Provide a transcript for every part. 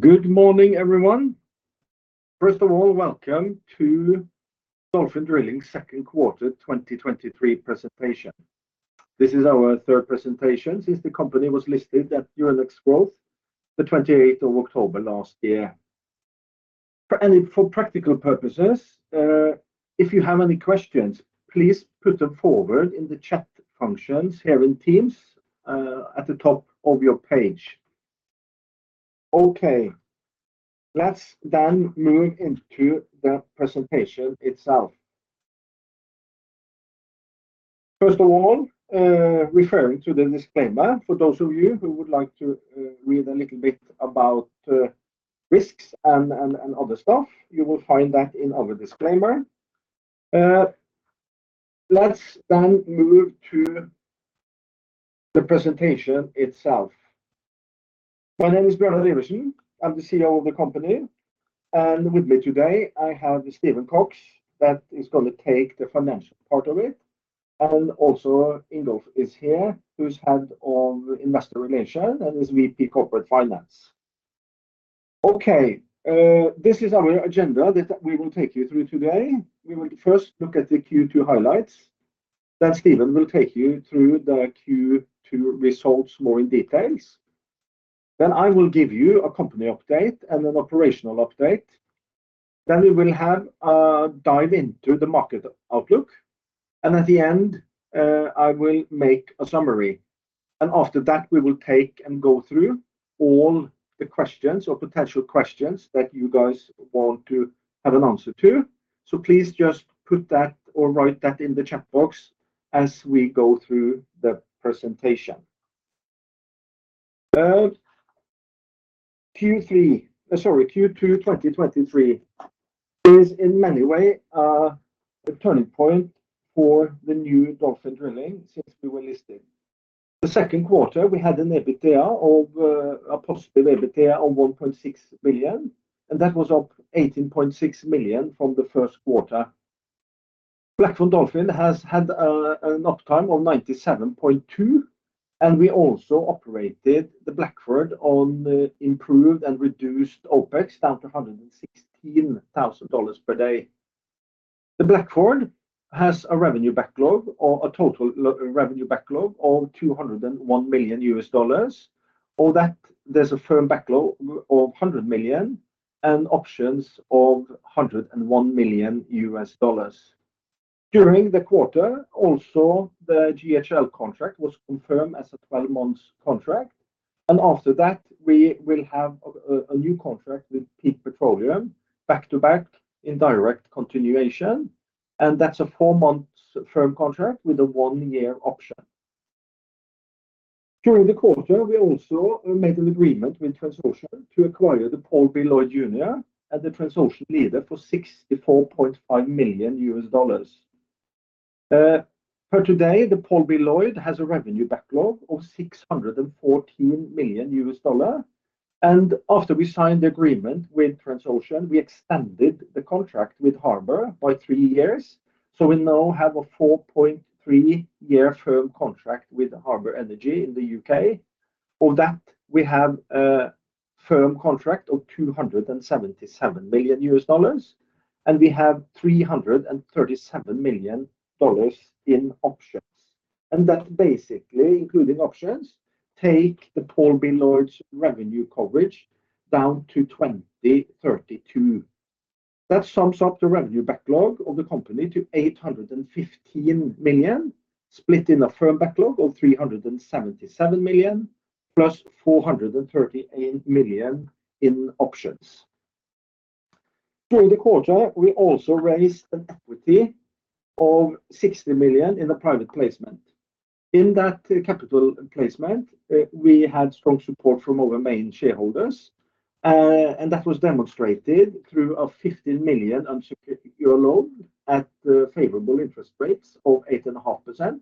Good morning, everyone. First of all, welcome to Dolphin Drilling Q2 2023 presentation. This is our third presentation since the company was listed at Euronext Growth, the 28th of October last year. For any, for practical purposes, if you have any questions, please put them forward in the chat functions here in Teams, at the top of your page. Okay, let's move into the presentation itself. First of all, referring to the disclaimer, for those of you who would like to read a little bit about risks and, and, and other stuff, you will find that in our disclaimer. Let's move to the presentation itself. My name is Bjørnar Iversen. I'm the CEO of the company. With me today, I have Steve Cox, that is gonna take the financial part of it, and also Ingolf is here, who's head of Investor Relations and is VP Corporate Finance. Okay, this is our agenda that we will take you through today. We will first look at the Q2 highlights. Steven will take you through the Q2 results more in details. I will give you a company update and an operational update. We will have a dive into the market outlook, and at the end, I will make a summary. After that, we will take and go through all the questions or potential questions that you guys want to have an answer to. Please just put that or write that in the chat box as we go through the presentation. Q2 2023 is, in many way, a turning point for the new Dolphin Drilling since we were listed. The Q2, we had an EBITDA of a positive EBITDA of $1.6 billion. That was up $18.6 million from the Q1. Blackford Dolphin has had an uptime of 97.2%. We also operated the Blackford on improved and reduced OpEx, down to $116,000 per day. The Blackford has a revenue backlog, or a total revenue backlog of $201 million. Of that, there's a firm backlog of $100 million and options of $101 million. During the quarter, also, the GHL contract was confirmed as a 12-month contract, and after that, we will have a new contract with Peak Petroleum back-to-back in direct continuation, and that's a 4-month firm contract with a 1-year option. During the quarter, we also made an agreement with Transocean to acquire the Paul B. Lloyd Jr. and the Transocean Leader for $64.5 million. Per today, the Paul B. Lloyd has a revenue backlog of $614 million. After we signed the agreement with Transocean, we extended the contract with Harbour by 3 years, so we now have a 4.3-year firm contract with Harbour Energy in the UK. Of that, we have a firm contract of $277 million, and we have $337 million in options. That basically, including options, take the Paul B. Lloyd's revenue coverage down to 2032. That sums up the revenue backlog of the company to $815 million, split in a firm backlog of $377 million, plus $438 million in options. During the quarter, we also raised an equity of $60 million in a private placement. In that capital placement, we had strong support from our main shareholders, and that was demonstrated through a $15 million unsecured loan at the favorable interest rates of 8.5%,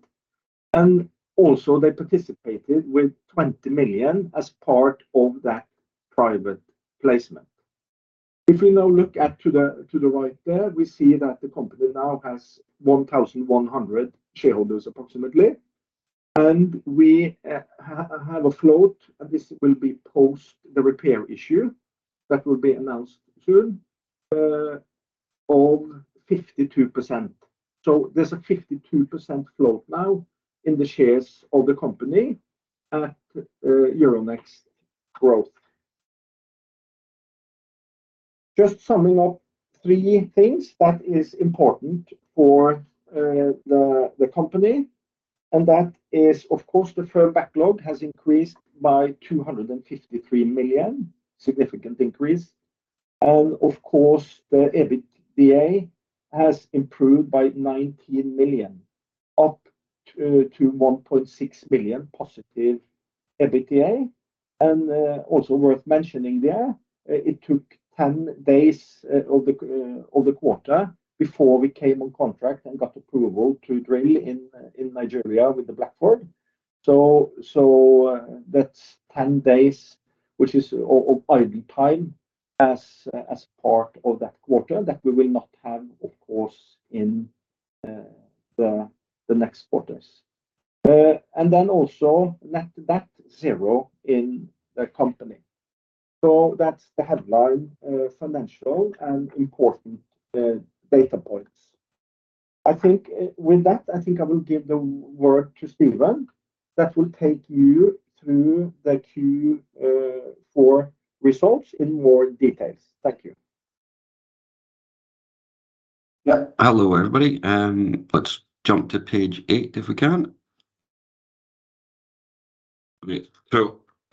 and also they participated with $20 million as part of that private placement. If we now look at to the right there, we see that the company now has 1,100 shareholders, approximately. We have a float, and this will be post the repair issue that will be announced soon, of 52%. There's a 52% float now in the shares of the company at Euronext Growth. Just summing up three things that is important for the company, and that is, of course, the firm backlog has increased by $253 million, significant increase. Of course, the EBITDA has improved by $19 million, up to $1.6 billion positive EBITDA. Also worth mentioning there, it took 10 days of the quarter before we came on contract and got approval to drill in Nigeria with the Blackford. That's 10 days, which is of idle time as, as part of that quarter, that we will not have, of course, the next quarters. Then also net, net zero in the company. That's the headline, financial and important, data points. I think, with that, I think I will give the word to Steven, that will take you through the Q4 results in more details. Thank you. Yeah. Hello, everybody, let's jump to page 8, if we can. Great.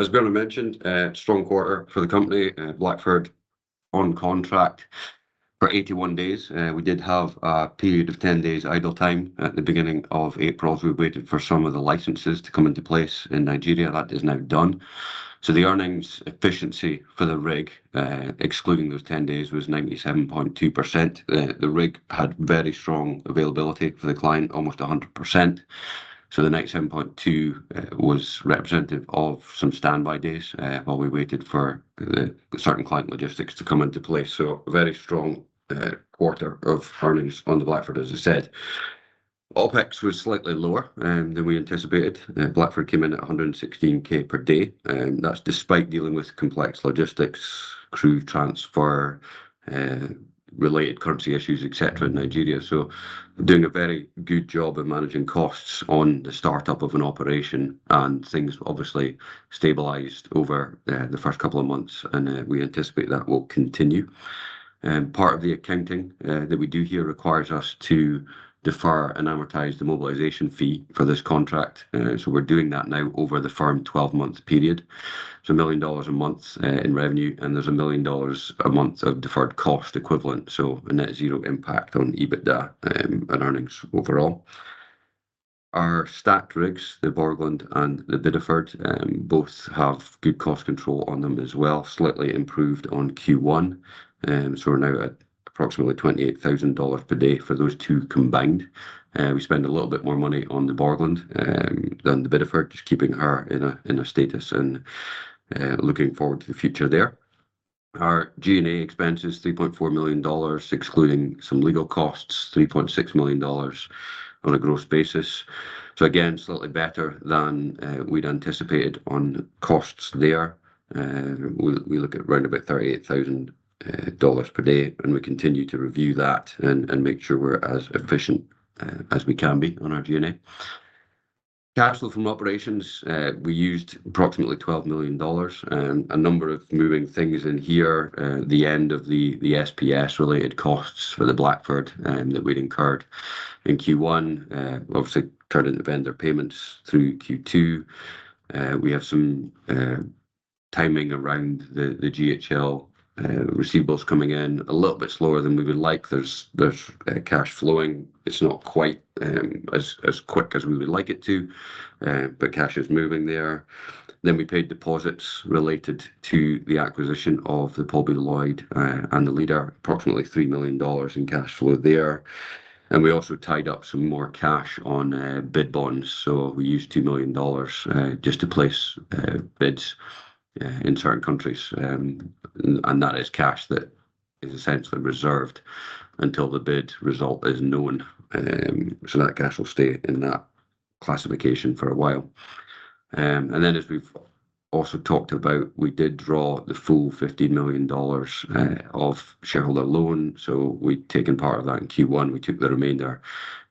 As Bjørnar mentioned, a strong quarter for the company, Blackford on contract for 81 days. We did have a period of 10 days idle time at the beginning of April. We waited for some of the licenses to come into place in Nigeria. That is now done. The earnings efficiency for the rig, excluding those 10 days, was 97.2%. The rig had very strong availability for the client, almost 100%. The 97.2 was representative of some standby days, while we waited for the certain client logistics to come into play. A very strong quarter of earnings on the Blackford, as I said. OpEx was slightly lower than we anticipated. Blackford came in at $116K per day, that's despite dealing with complex logistics, crew transfer, related currency issues, et cetera, in Nigeria. Doing a very good job of managing costs on the startup of an operation, and things obviously stabilized over the first couple of months, and we anticipate that will continue. Part of the accounting that we do here requires us to defer and amortize the mobilization fee for this contract. We're doing that now over the firm 12-month period. It's $1 million a month in revenue, and there's $1 million a month of deferred cost equivalent, so a net zero impact on EBITDA and earnings overall. Our stacked rigs, the Borgland and the Bideford, both have good cost control on them as well. Slightly improved on Q1, so we're now at approximately $28,000 per day for those two combined. We spend a little bit more money on the Borgland than the Bideford, just keeping her in a, in a status and looking forward to the future there. Our G&A expenses, $3.4 million, excluding some legal costs, $3.6 million on a gross basis. Again, slightly better than we'd anticipated on costs there. We, we look at around about $38,000 per day, and we continue to review that and, and make sure we're as efficient as we can be on our G&A. Cash flow from operations, we used approximately $12 million. A number of moving things in here, the end of the SPS-related costs for the Blackford that we'd incurred in Q1. Obviously carrying the vendor payments through Q2. We have some timing around the GHL receivables coming in a little bit slower than we would like. Cash flowing. It's not quite as quick as we would like it to. Cash is moving there. We paid deposits related to the acquisition of the Paul B. Lloyd and the Leader, approximately $3 million in cash flow there. We also tied up some more cash on bid bonds, so we used $2 million just to place bids in certain countries. That is cash that is essentially reserved until the bid result is known. That cash will stay in that classification for a while. As we've also talked about, we did draw the full $15 million of shareholder loan. We'd taken part of that in Q1. We took the remainder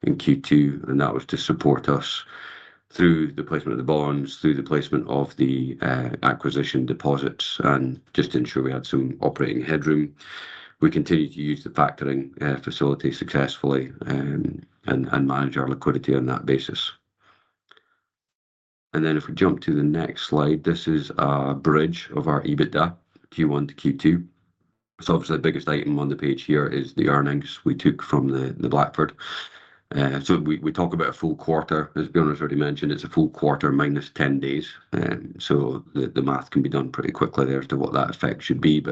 in Q2, and that was to support us through the placement of the bonds, through the placement of the acquisition deposits, and just to ensure we had some operating headroom. We continued to use the factoring facility successfully, and manage our liquidity on that basis. If we jump to the next slide, this is a bridge of our EBITDA, Q1 to Q2. Obviously, the biggest item on the page here is the earnings we took from the Blackford. We talk about a full quarter. As Bjørnar already mentioned, it's a full quarter minus 10 days, so the, the math can be done pretty quickly there as to what that effect should be.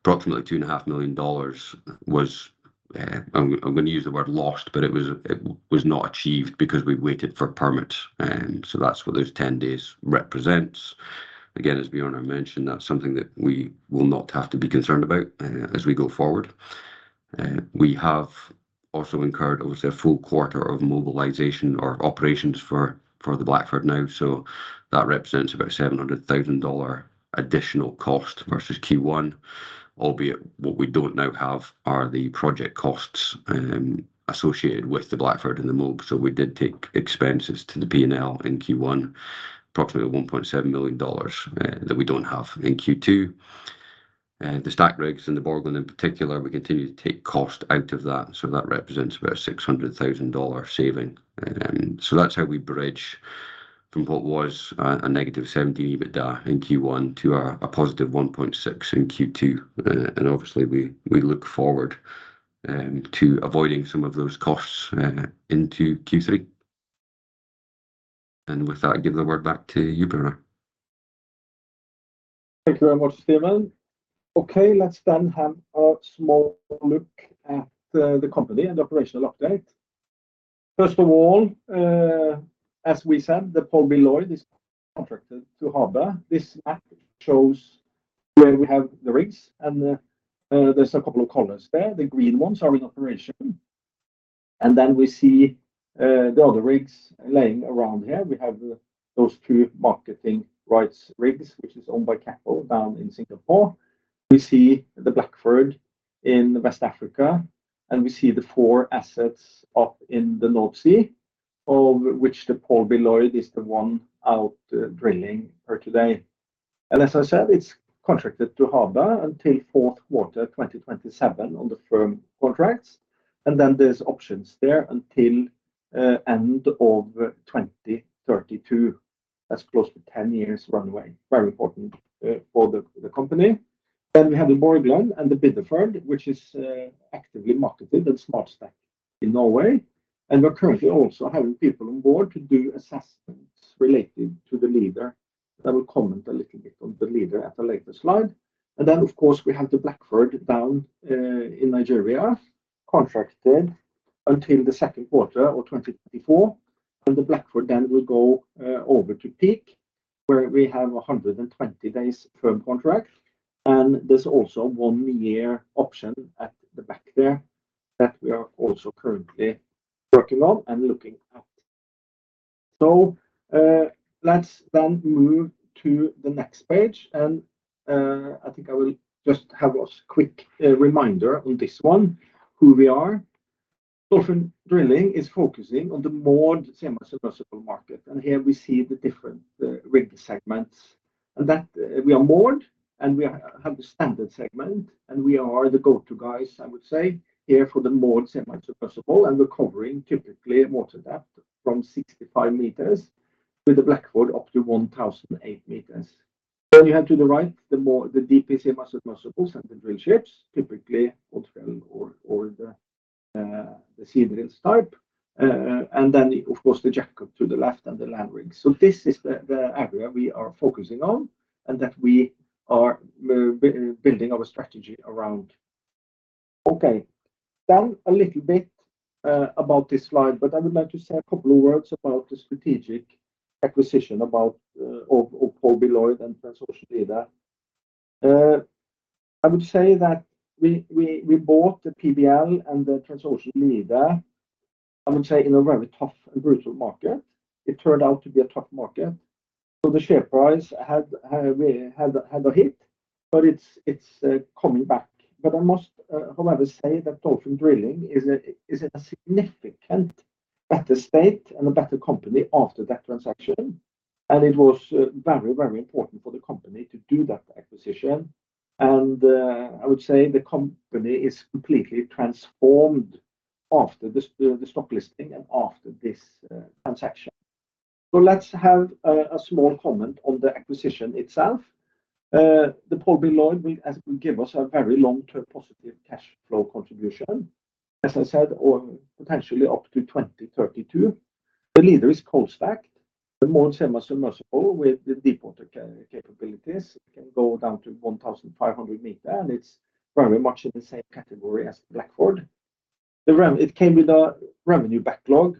Approximately $2.5 million was, I'm, I'm gonna use the word lost, but it was, it was not achieved because we waited for permits, and so that's what those 10 days represents. Again, as Bjørnar mentioned, that's something that we will not have to be concerned about as we go forward. We have also incurred, obviously, a full quarter of mobilization or operations for, for the Blackford now, so that represents about $700,000 additional cost versus Q1. Albeit, what we don't now have are the project costs associated with the Blackford and the mob, so we did take expenses to the P&L in Q1, approximately $1.7 million, that we don't have in Q2. The stacked rigs and the Borgland in particular, we continue to take cost out of that, so that represents about a $600,000 saving. That's how we bridge from what was a -$70 million EBITDA in Q1 to a +$1.6 million in Q2. Obviously, we look forward to avoiding some of those costs into Q3. With that, I give the word back to you, Bjørnar. Thank you very much, Steven. Okay, let's have a small look at the, the company and operational update. First of all, as we said, the Paul B. Lloyd is contracted to Harbour Energy. This map shows where we have the rigs, there's a couple of colors there. The green ones are in operation, we see the other rigs laying around here. We have those 2 marketing rights rigs, which is owned by Capital down in Singapore. We see the Blackford in West Africa, we see the 4 assets up in the North Sea, of which the Paul B. Lloyd is the one out drilling for today. As I said, it's contracted to Harbour Energy until Q4 2027 on the firm contracts, there's options there until end of 2032. That's close to 10 years runway, very important for the company. We have the Borgland and the Bideford, which is actively marketed at Smart Stack in Norway, and we're currently also having people on board to do assessments related to the Leader. I will comment a little bit on the Leader at a later slide. Of course, we have the Blackford down in Nigeria, contracted until the Q2 of 2024, and the Blackford then will go over to Peak, where we have a 120 days firm contract, and there's also 1 year option at the back there that we are also currently working on and looking at. Let's then move to the next page, and I think I will just have a quick reminder on this one, who we are. Dolphin Drilling is focusing on the moored semi-submersible market. Here we see the different rig segments, that we are moored. We have the standard segment. We are the go-to guys, I would say, here for the moored semi-submersible. We're covering typically water depth from 65 meters with the Blackford up to 1,008 meters. You have to the right, the deep semi-submersibles and the drillships, typically ultra or, or the Seadrill type. Of course, the jack-up to the left and the land rig. This is the area we are focusing on and that we are building our strategy around. Okay. A little bit about this slide. I would like to say a couple of words about the strategic acquisition, about of Paul B. Lloyd and Transocean Leader. I would say that we, we, we bought the PBLJ and the Transocean Leader, I would say, in a very tough and brutal market. It turned out to be a tough market, so the share price had, had, had, had a hit, but it's, it's coming back. I must, however, say that Dolphin Drilling is a, is in a significant better state and a better company after that transaction, and it was very, very important for the company to do that acquisition. I would say the company is completely transformed after this, the, the stock listing and after this transaction. Let's have a, a small comment on the acquisition itself. The Paul B. Lloyd will, as will give us a very long-term positive cash flow contribution, as I said, or potentially up to 2032. The Leader is cold-stacked. The moored semi-submersible with the deepwater capabilities, can go down to 1,500 meter, and it's very much in the same category as Blackford. It came with a revenue backlog,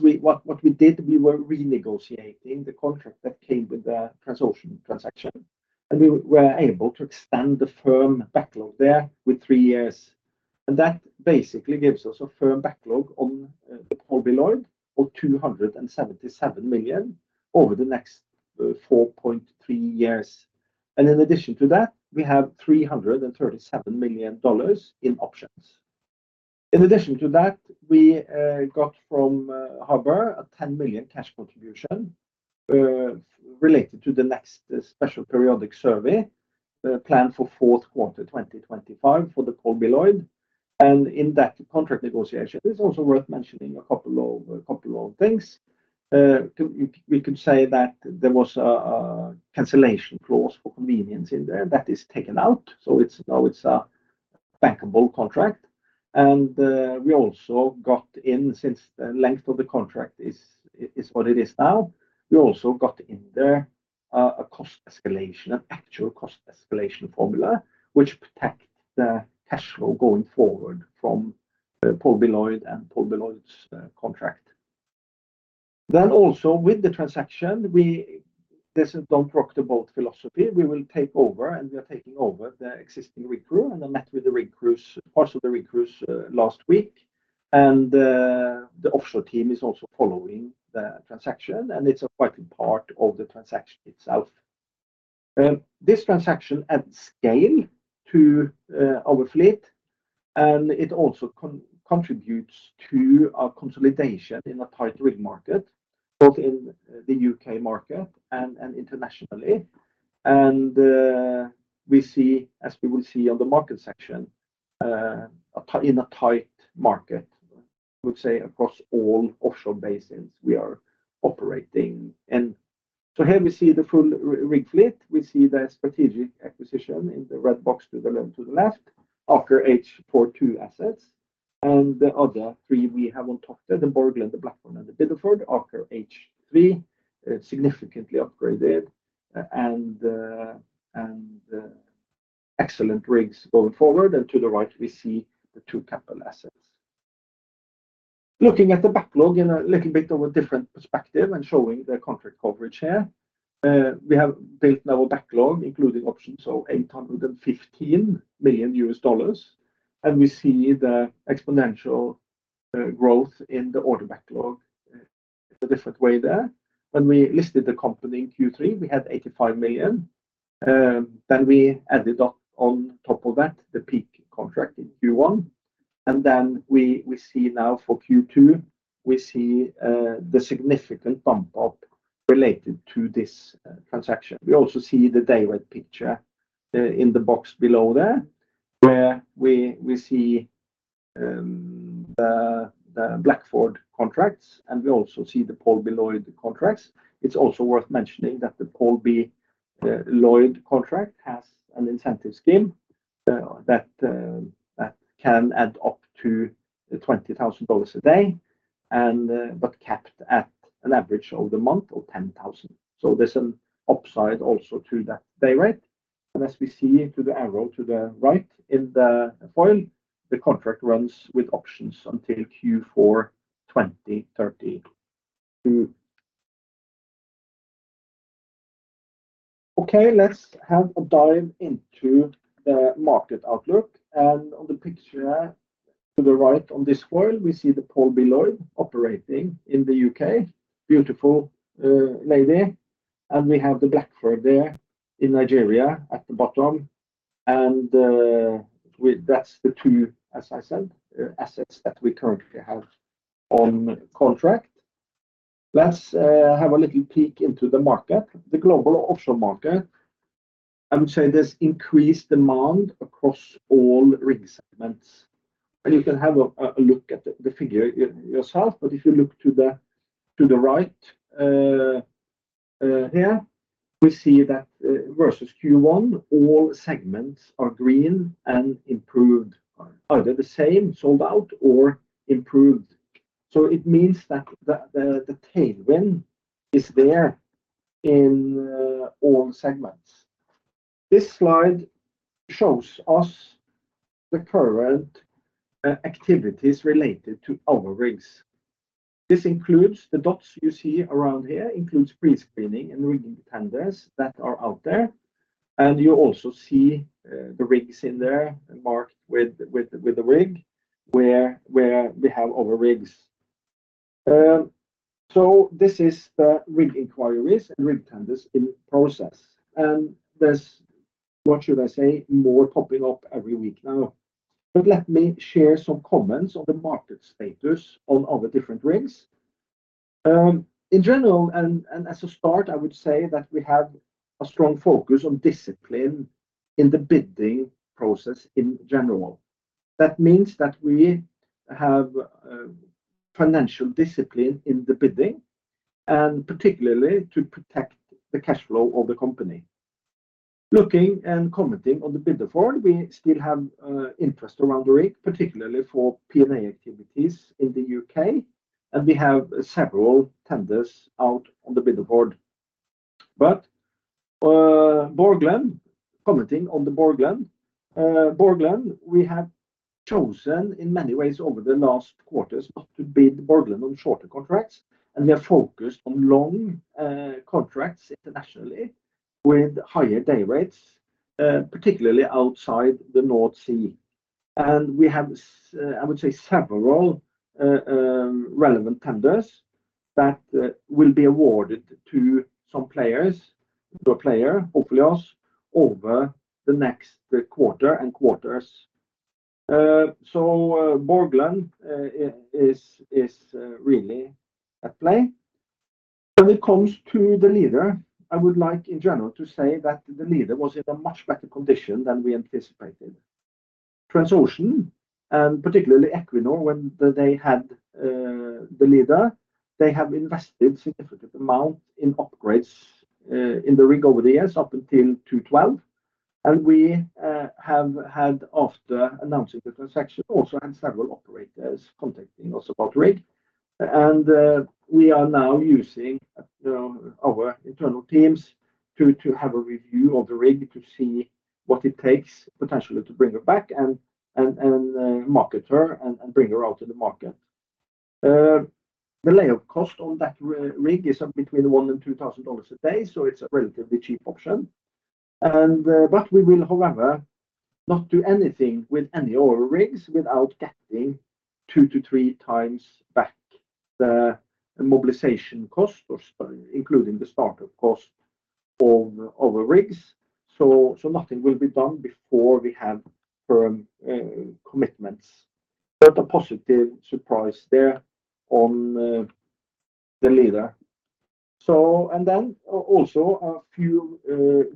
we were renegotiating the contract that came with the Transocean transaction, and we were able to extend the firm backlog there with 3 years, and that basically gives us a firm backlog on the Paul B. Lloyd of $277 million over the next 4.3 years. In addition to that, we have $337 million in options. In addition to that, we got from Harbour a $10 million cash contribution related to the next Special Periodic Survey planned for Q4 2025 for the Paul B. Lloyd. In that contract negotiation, it's also worth mentioning a couple of things. We could say that there was a cancellation clause for convenience in there that is taken out, so it's now it's a bankable contract. We also got in, since the length of the contract is, is what it is now, we also got in there, a cost escalation, an actual cost escalation formula, which protect the cash flow going forward from Paul B. Lloyd and Paul B. Lloyd's contract. Also with the transaction, This is don't rock the boat philosophy. We will take over, and we are taking over the existing rig crew, and I met with the rig crews, parts of the rig crews, last week, and the offshore team is also following the transaction, and it's an important part of the transaction itself. This transaction adds scale to our fleet, and it also contributes to our consolidation in a tight rig market, both in the UK market and, and internationally. We see, as we will see on the market section, a tight, in a tight market, I would say, across all offshore basins we are operating in. Here we see the full rig fleet. We see the strategic acquisition in the red box to the left, to the left, Aker H-4.2 assets, and the other three we have on top there, the Borgland, the Blackford, and the Bideford, Aker H-3.2, significantly upgraded, and excellent rigs going forward, and to the right, we see the two Capital assets. Looking at the backlog in a little bit of a different perspective and showing the contract coverage here, we have built now a backlog, including options of $815 million, and we see the exponential growth in the order backlog a different way there. When we listed the company in Q3, we had $85 million. We added up on top of that, the Peak contract in Q1, and we, we see now for Q2, we see the significant bump up related to this transaction. We also see the day rate picture in the box below there, where we, we see the Blackford contracts, and we also see the Paul B. Lloyd contracts. It's also worth mentioning that the Paul B. Lloyd contract has an incentive scheme that can add up to $20,000 a day and, but capped at an average of the month of $10,000. There's an upside also to that day rate, and as we see to the arrow to the right in the foil, the contract runs with options until Q4 2032. Okay, let's have a dive into the market outlook. On the picture to the right on this foil, we see the Paul B. Lloyd operating in the UK. Beautiful lady. We have the Blackford there in Nigeria at the bottom, with that's the 2, as I said, assets that we currently have on contract. Let's have a little peek into the market. The global offshore market, I would say there's increased demand across all rig segments. You can have a look at the figure yourself. If you look to the right here, we see that versus Q1, all segments are green and improved, or either the same, sold out or improved. It means that the tailwind is there in all segments. This slide shows us the current activities related to our rigs. This includes the dots you see around here, includes pre-screening and rigging tenders that are out there. You also see the rigs in there marked with the rig, where we have our rigs. This is the rig inquiries and rig tenders in process, and there's more popping up every week now. Let me share some comments on the market status on all the different rigs. In general, and as a start, I would say that we have a strong focus on discipline in the bidding process in general. That means that we have financial discipline in the bidding, and particularly to protect the cash flow of the company. Looking and commenting on the bidder board, we still have interest around the rig, particularly for P&A activities in the UK, and we have several tenders out on the bidder board. Borgland, commenting on the Borgland. Borgland, we have chosen in many ways over the last quarters not to bid Borgland on shorter contracts, and we are focused on long contracts internationally with higher day rates, particularly outside the North Sea. We have I would say, several relevant tenders that will be awarded to some players, or player, hopefully us, over the next quarter and quarters. Borgland is really at play. When it comes to the Leader, I would like in general to say that the Leader was in a much better condition than we anticipated. Transocean, particularly Equinor, when they had the Leader, they have invested significant amount in upgrades in the rig over the years, up until 2012. We have had, after announcing the transaction, also had several operators contacting us about rig. We are now using our internal teams to have a review of the rig to see what it takes potentially to bring her back and, and, and market her and, and bring her out to the market. The lay-up cost on that rig is between $1,000-$2,000 a day, so it's a relatively cheap option. We will, however, not do anything with any oil rigs without getting 2-3 times back the mobilization cost, or including the start-up cost of our rigs. Nothing will be done before we have firm commitments. A positive surprise there on the Leader. Then also a few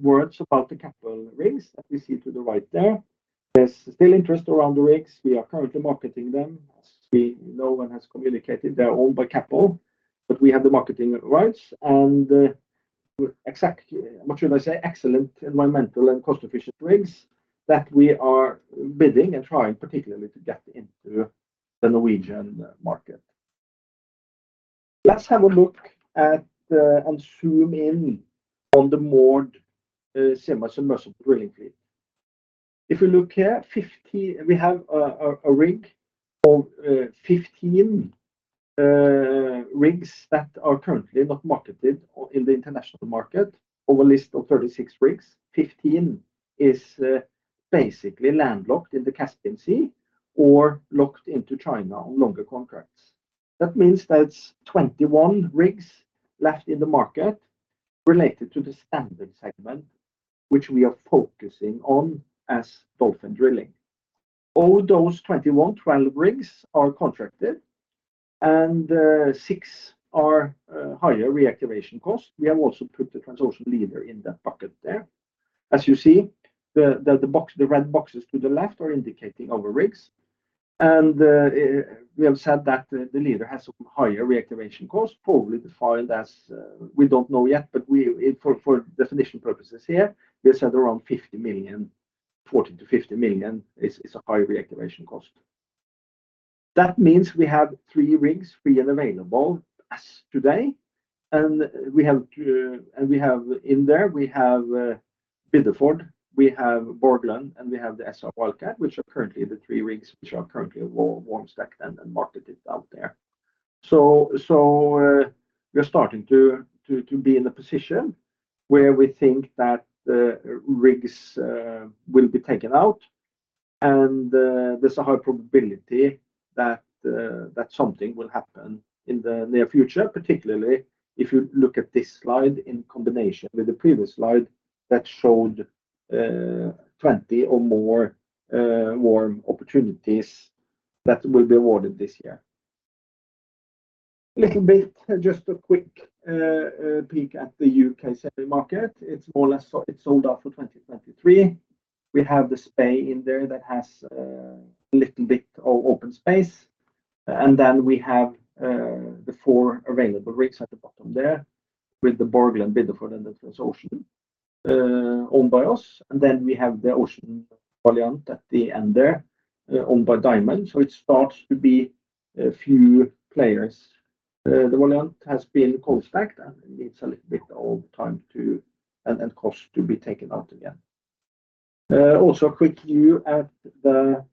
words about the Capital rigs that we see to the right there. There's still interest around the rigs. We are currently marketing them. As we know, and has communicated, they're owned by Capital, but we have the marketing rights and, what should I say? Excellent environmental and cost-efficient rigs that we are bidding and trying particularly to get into the Norwegian market. Let's have a look at and zoom in on the moored semi-submersible drilling fleet. If you look here, we have a rig of 15 rigs that are currently not marketed on in the international market. Over a list of 36 rigs, 15 is basically landlocked in the Caspian Sea or locked into China on longer contracts. That means that's 21 rigs left in the market related to the standard segment, which we are focusing on as Dolphin Drilling. All those 21, 12 rigs are contracted, and 6 are higher reactivation costs. We have also put the Transocean Leader in that bucket there. As you see, the box, the red boxes to the left are indicating our rigs, and we have said that the Leader has some higher reactivation costs, probably defined as. We don't know yet, but for definition purposes here, we said around $50 million. $40 million-$50 million is a high reactivation cost. That means we have three rigs free and available as today, and we have in there, we have Bideford, we have Borgland, and we have the SR Wildcat, which are currently the three rigs, which are currently warm-stacked and marketed out there. We are starting to be in a position where we think that rigs will be taken out, and there's a high probability that something will happen in the near future. Particularly, if you look at this slide in combination with the previous slide that showed 20 or more warm opportunities that will be awarded this year. Little bit, just a quick peek at the UK semi market. It's more or less, it's sold out for 2023. We have the Spey in there that has a little bit of open space, and then we have the four available rigs at the bottom there, with the Borgland, Bideford, and the Transocean, owned by us. Then we have the Ocean Valiant at the end there, owned by Diamond. It starts to be a few players. The Valiant has been cold-stacked, and it needs a little bit of time to, and cost to be taken out again. Also, a quick view at the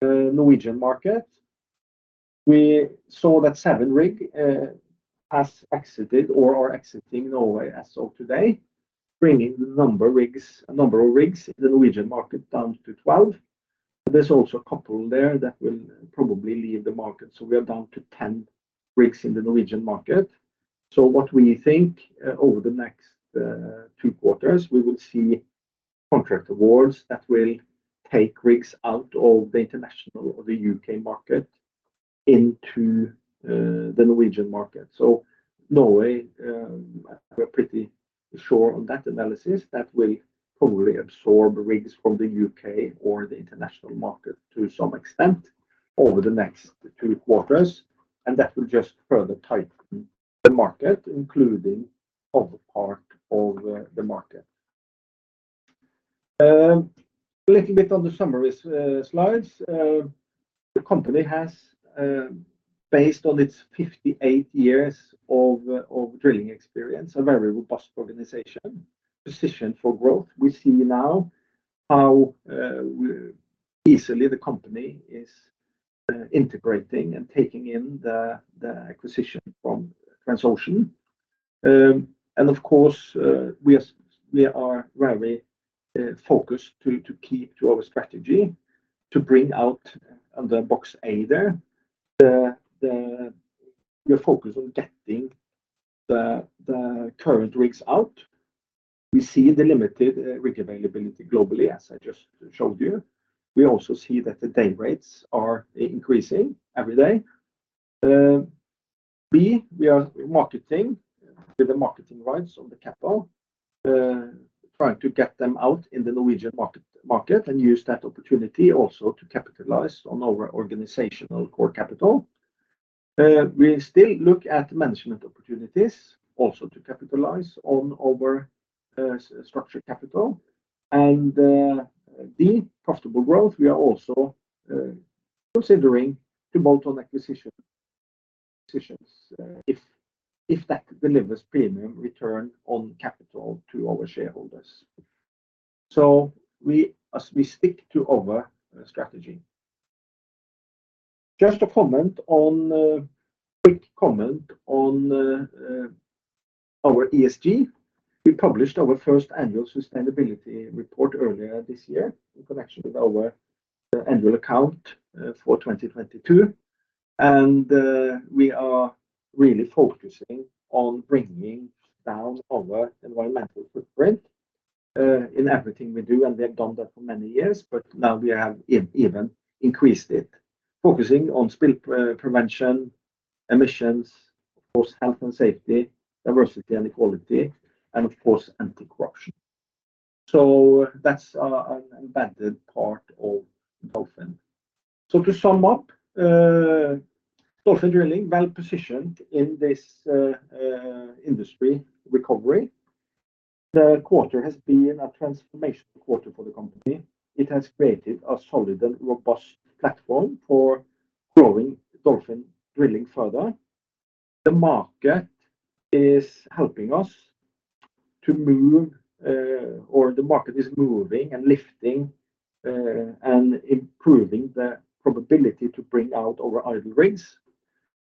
Norwegian market. We saw that 7 rigs has exited or are exiting Norway as of today, bringing the number of rigs in the Norwegian market down to 12. There's also a couple there that will probably leave the market, we are down to 10 rigs in the Norwegian market. What we think, over the next two quarters, we will see contract awards that will take rigs out of the international or the UK market into the Norwegian market. Norway, we're pretty sure on that analysis, that will probably absorb rigs from the UK or the international market to some extent over the next two quarters, and that will just further tighten the market, including our part of the market. A little bit on the summary slides. The company has, based on its 58 years of drilling experience, a very robust organization, positioned for growth. We see now how easily the company is integrating and taking in the acquisition from Transocean. Of course, we are, we are rarely focused to keep to our strategy to bring out under box A there. We are focused on getting the current rigs out. We see the limited rig availability globally, as I just showed you. We also see that the day rates are increasing every day. B, we are marketing with the marketing rights on the Capital, trying to get them out in the Norwegian market and use that opportunity also to capitalize on our organizational core capital. We still look at management opportunities also to capitalize on our structure capital. D, profitable growth, we are also considering to bolt on acquisition if that delivers premium return on capital to our shareholders. We, as we stick to our strategy. Just a comment on quick comment on our ESG. We published our first annual sustainability report earlier this year in connection with our annual account for 2022, and we are really focusing on bringing down our environmental footprint in everything we do, and we have done that for many years, but now we have even increased it. Focusing on spill prevention, emissions, of course, health and safety, diversity and equality, and of course, anti-corruption. That's an embedded part of Dolphin. To sum up, Dolphin Drilling, well positioned in this industry recovery. The quarter has been a transformational quarter for the company. It has created a solid and robust platform for growing Dolphin Drilling further. The market is helping us to move, or the market is moving and lifting, and improving the probability to bring out our idle rigs.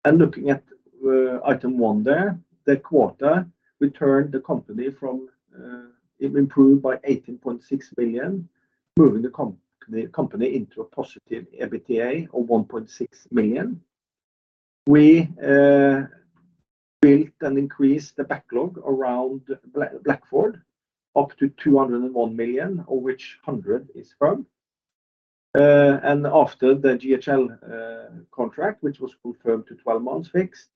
Looking at item one there, the quarter we turned the company from, it improved by $18.6 billion, moving the company into a positive EBITDA of $1.6 million. We built and increased the backlog around Blackford up to $201 million, of which $100 million is firm. After the GHL contract, which was confirmed to 12 months fixed,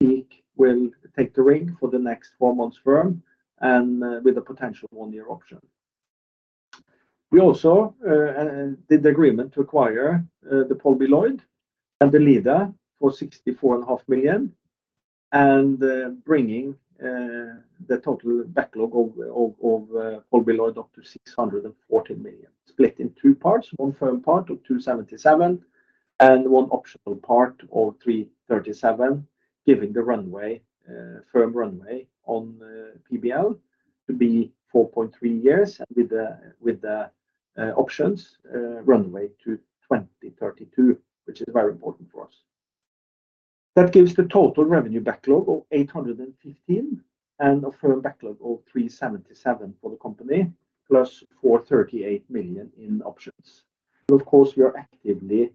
Peak will take the rig for the next 4 months firm and with a potential 1-year option. We also did the agreement to acquire the Paul B. Lloyd and the Leader for $64.5 million, and bringing the total backlog of Paul B. Lloyd up to $640 million, split in 2 parts, 1 firm part of $277 million, and 1 optional part of $337 million, giving the runway, firm runway on PBLJ to be 4.3 years with the, with the options runway to 2032, which is very important for us. That gives the total revenue backlog of $815 million and a firm backlog of $377 million for the company, plus $438 million in options. Of course, we are actively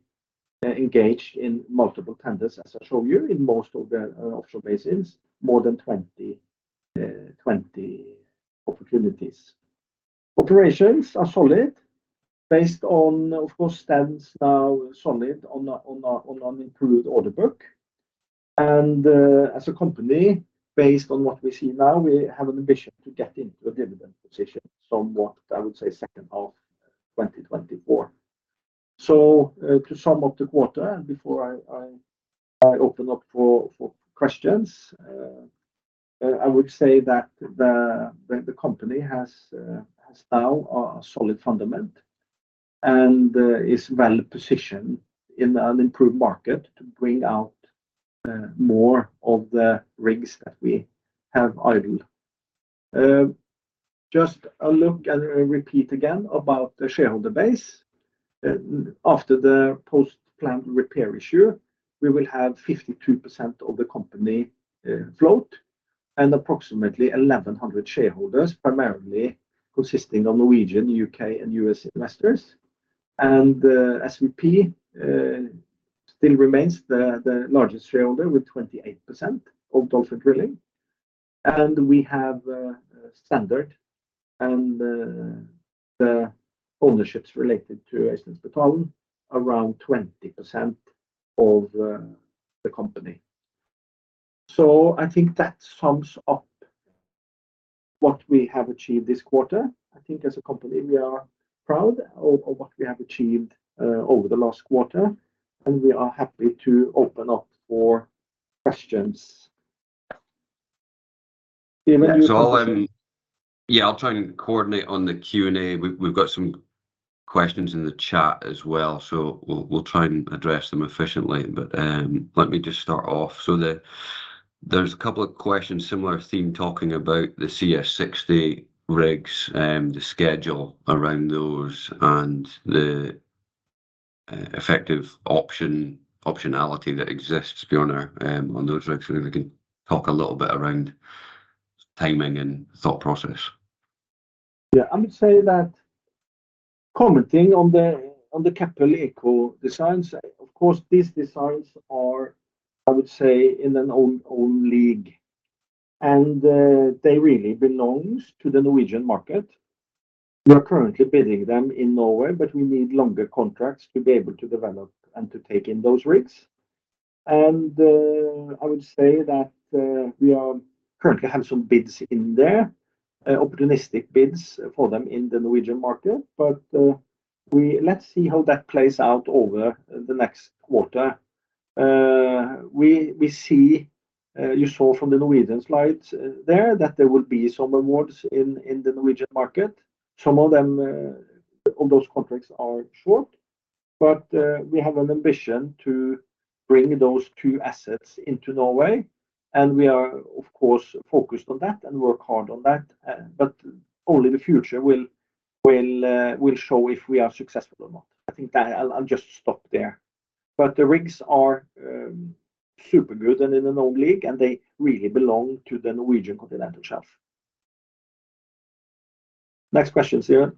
engaged in multiple tenders, as I show you, in most of the offshore basins, more than 20, 20 opportunities. Operations are solid, based on, of course, stands now solid on a, on a, on an improved order book. As a company, based on what we see now, we have an ambition to get into a dividend position, somewhat, I would say, second half 2024. To sum up the quarter, and before I, I, I open up for, for questions, I would say that the, the company has now a solid fundament and is well positioned in an improved market to bring out more of the rigs that we have idle. Just a look and repeat again about the shareholder base. After the post-placement repair issue, we will have 52% of the company float and approximately 1,100 shareholders, primarily consisting of Norwegian, UK, and US investors. SVP still remains the, the largest shareholder with 28% of Dolphin Drilling. and the ownerships related to S.D. Standard, around 20% of the company. I think that sums up what we have achieved this quarter. I think as a company, we are proud of, of what we have achieved over the last quarter, and we are happy to open up for questions. Steven, you- Yeah, I'll try and coordinate on the Q&A. We've, we've got some questions in the chat as well, so we'll, we'll try and address them efficiently. Let me just start off. There's a couple of questions, similar theme, talking about the CS60 rigs, the schedule around those, and the effective option, optionality that exists, Bjørnar, on those rigs. I don't know if you can talk a little bit around timing and thought process. Yeah, I would say that commenting on the, on the CAT-D Eco designs, of course, these designs are, I would say, in an own, own league, and they really belongs to the Norwegian market. We are currently bidding them in Norway, but we need longer contracts to be able to develop and to take in those rigs. I would say that we currently have some bids in there, opportunistic bids for them in the Norwegian market. Let's see how that plays out over the next quarter. We, we see, you saw from the Norwegian slides there that there will be some awards in the Norwegian market. Some of them, of those contracts are short, but we have an ambition to bring those two assets into Norway, and we are, of course, focused on that and work hard on that. Only the future will, will, will show if we are successful or not. I think I'll, I'll just stop there. The rigs are super good and in an own league, and they really belong to the Norwegian continental shelf. Next question, Steven.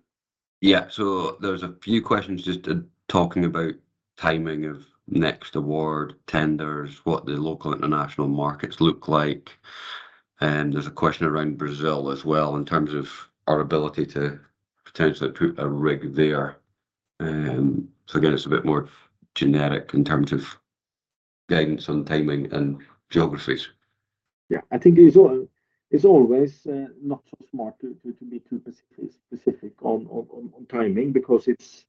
Yeah. There's a few questions just talking about timing of next award tenders, what the local and international markets look like, and there's a question around Brazil as well in terms of our ability to potentially put a rig there. Again, it's a bit more generic in terms of guidance on timing and geographies. Yeah, I think it's always not so smart to be too specific, specific on timing because it's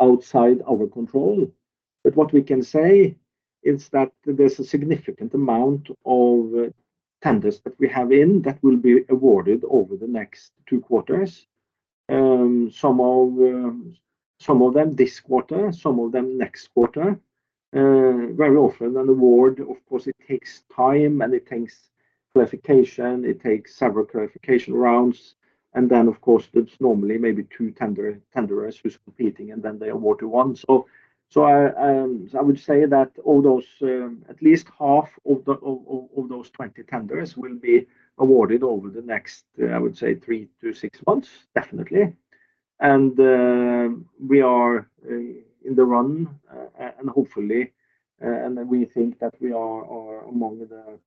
outside our control, but what we can say is that there's a significant amount of tenders that we have in that will be awarded over the next 2 quarters. Some of them, some of them this quarter, some of them next quarter. Very often an award, of course, it takes time, and it takes clarification. It takes several clarification rounds, and then, of course, there's normally maybe two tenderers who's competing, and then they award to one. I would say that all those, at least half of those 20 tenderers will be awarded over the next, I would say 3-6 months, definitely. We are in the run and hopefully, and we think that we are among the,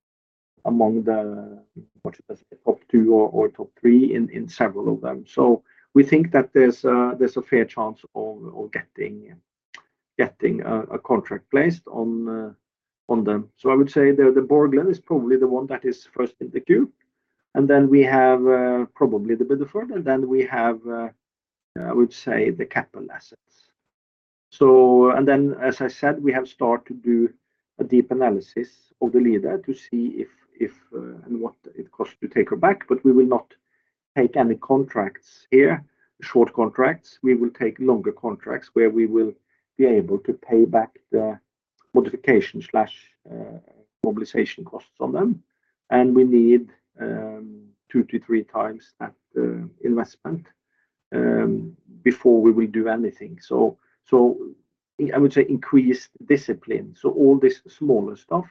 among the, what you call, top two or top three in several of them. We think that there's a fair chance of getting a contract placed on them. I would say the Borgland is probably the one that is first in the queue, and then we have probably the Bideford, and then we have, I would say, the Capital assets. As I said, we have started to do a deep analysis of the Leader to see if, and what it costs to take her back, we will not take any contracts here, short contracts. We will take longer contracts where we will be able to pay back the modification slash, mobilization costs on them, and we need, 2-3 times that investment, before we will do anything. I would say increased discipline. All this smaller stuff,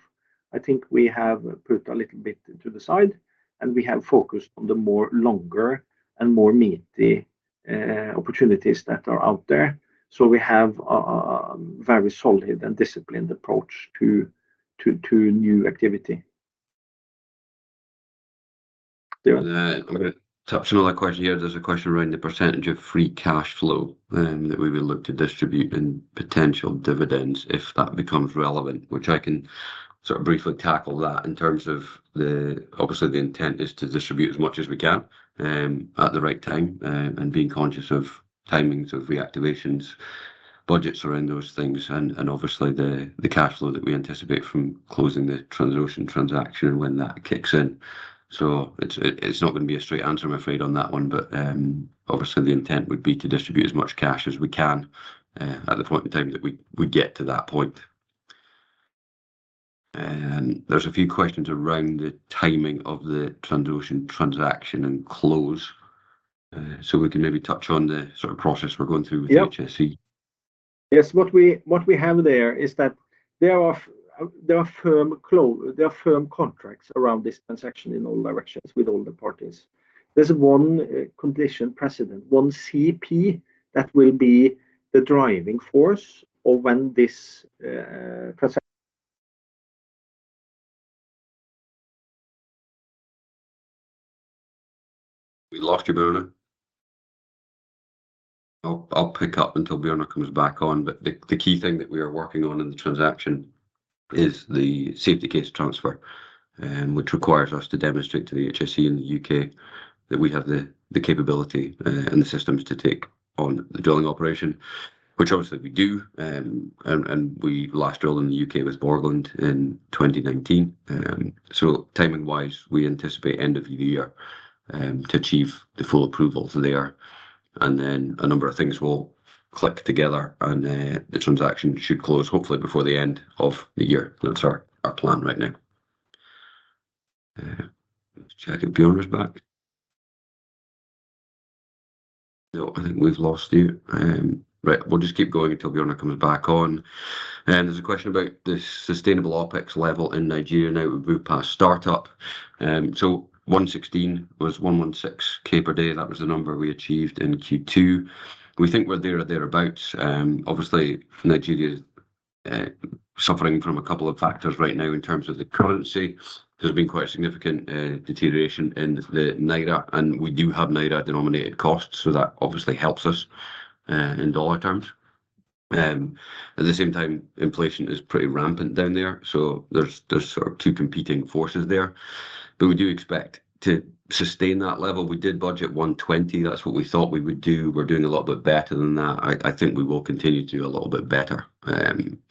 I think we have put a little bit to the side, and we have focused on the more longer and more meaty opportunities that are out there. We have a, a, a very solid and disciplined approach to, to, to new activity. Stuart? I'm gonna touch another question here. There's a question around the % of free cash flow that we will look to distribute and potential dividends if that becomes relevant, which I can sort of briefly tackle that. In terms of the... obviously, the intent is to distribute as much as we can at the right time, and being conscious of timings of reactivations, budgets around those things, and, and obviously the, the cash flow that we anticipate from closing the Transocean transaction when that kicks in. It's, it's not gonna be a straight answer, I'm afraid, on that one, but, obviously, the intent would be to distribute as much cash as we can at the point in time that we, we get to that point. There's a few questions around the timing of the Transocean transaction and close. We can maybe touch on the sort of process we're going through with HSE. Yep. Yes, what we, what we have there is that there are firm contracts around this transaction in all directions with all the parties. There's one condition precedent, one CP, that will be the driving force of when this transaction. We lost you, Bjornar. I'll, I'll pick up until Bjornar comes back on. The key thing that we are working on in the transaction is the safety case transfer, which requires us to demonstrate to the HSE in the UK that we have the capability and the systems to take on the drilling operation, which obviously we do. We last drilled in the UK with Borgland in 2019. Timing-wise, we anticipate end of the year to achieve the full approvals there, and then a number of things will click together, and the transaction should close hopefully before the end of the year. That's our plan right now. Let's check if Bjornar is back. No, I think we've lost you. Right. We'll just keep going until Bjornar comes back on. There's a question about the sustainable OpEx level in Nigeria now we've moved past startup. 116 was $116K per day. That was the number we achieved in Q2. We think we're there or thereabouts. Obviously, Nigeria is suffering from a couple of factors right now in terms of the currency. There's been quite a significant deterioration in the naira, and we do have naira-denominated costs, so that obviously helps us in dollar terms. At the same time, inflation is pretty rampant down there, there's sort of two competing forces there, we do expect to sustain that level. We did budget $120. That's what we thought we would do. We're doing a little bit better than that. I think we will continue to do a little bit better.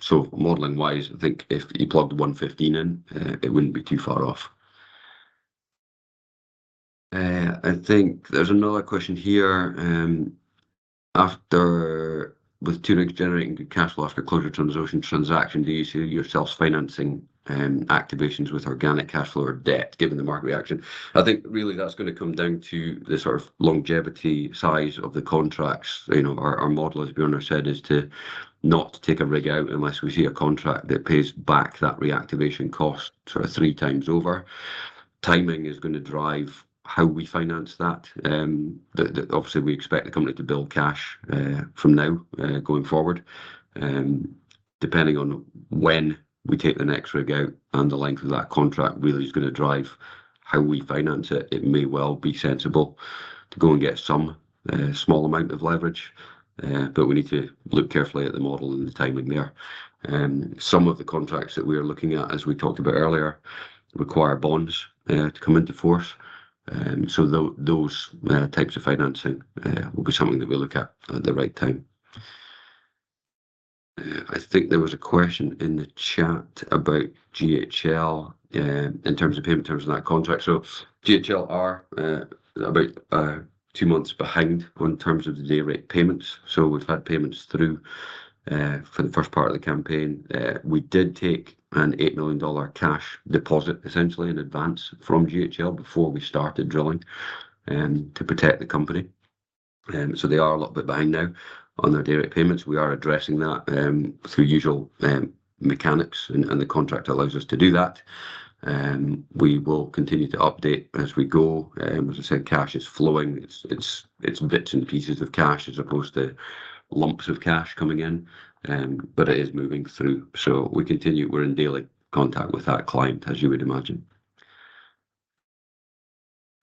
So modeling-wise, I think if you plugged 115 in, it wouldn't be too far off. I think there's another question here. After with two rigs generating good cash flow after closure Transocean transaction, do you see yourself financing activations with organic cash flow or debt, given the market reaction? I think really that's gonna come down to the sort of longevity, size of the contracts. You know, our, our model, as Bjørnar said, is to not take a rig out unless we see a contract that pays back that reactivation cost sort of 3 times over. Timing is gonna drive how we finance that. Obviously, we expect the company to build cash from now going forward. Depending on when we take the next rig out and the length of that contract, really is gonna drive how we finance it. It may well be sensible to go and get some small amount of leverage. We need to look carefully at the model and the timing there. Some of the contracts that we are looking at, as we talked about earlier, require bonds to come into force. Those types of financing will be something that we look at, at the right time. I think there was a question in the chat about GHL in terms of payment terms on that contract. GHL are about 2 months behind on terms of the day rate payments. We've had payments through for the 1st part of the campaign. We did take an $8 million cash deposit, essentially in advance from GHL before we started drilling, to protect the company. They are a little bit behind now on their day rate payments. We are addressing that through usual mechanics, and the contract allows us to do that. We will continue to update as we go. As I said, cash is flowing. It's, it's, it's bits and pieces of cash as opposed to lumps of cash coming in, but it is moving through. We continue. We're in daily contact with that client, as you would imagine.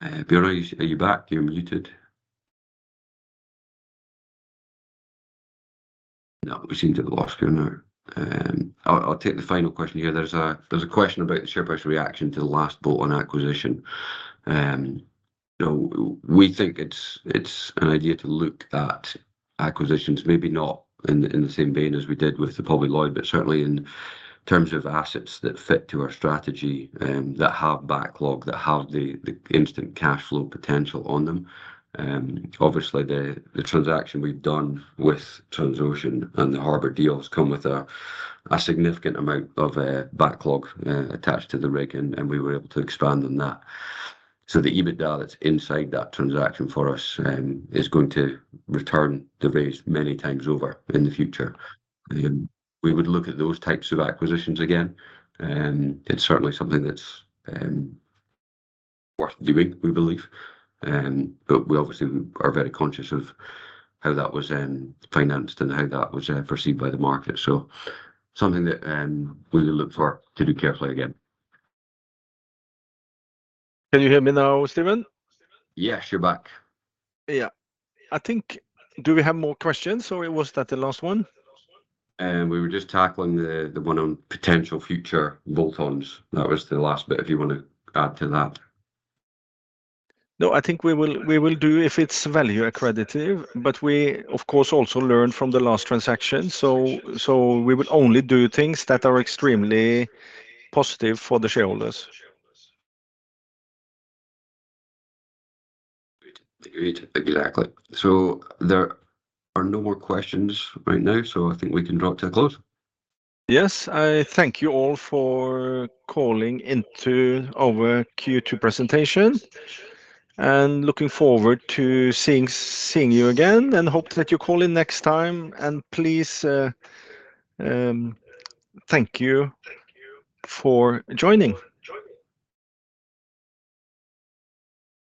Bjoern, are you, are you back? You're muted. No, we seemed to have lost Bjoern now. I'll take the final question here. There's a question about the shareholder's reaction to the last bolt-on acquisition. We think it's, it's an idea to look at acquisitions, maybe not in the, in the same vein as we did with the Paul B. Lloyd, but certainly in terms of assets that fit to our strategy, that have backlog, that have the, the instant cash flow potential on them. Obviously, the, the transaction we've done with Transocean and the Harbour deals come with a, a significant amount of backlog, attached to the rig, and, and we were able to expand on that. The EBITDA that's inside that transaction for us, is going to return the rates many times over in the future. We would look at those types of acquisitions again, and it's certainly something that's worth doing, we believe. We obviously are very conscious of how that was then financed and how that was perceived by the market. Something that we will look for to do carefully again. Can you hear me now, Steven? Yes, you're back. Yeah. I think, do we have more questions, or was that the last one? We were just tackling the, the one on potential future bolt-ons. That was the last bit, if you wanna add to that. No, I think we will, we will do if it's value accretive, but we, of course, also learn from the last transaction. We will only do things that are extremely positive for the shareholders. Agreed. Agreed. Exactly. There are no more questions right now, so I think we can draw to a close. Yes, I thank you all for calling into our Q2 presentation, and looking forward to seeing, seeing you again, and hope that you call in next time. Please, thank you. Thank you. For joining. Joining.